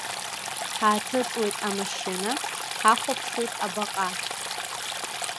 Ҳааҭыҵуеит амашьына, ҳахәаԥшуеит абаҟа.